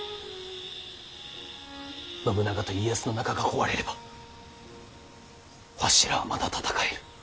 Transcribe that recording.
信長と家康の仲が壊れればわしらはまだ戦える。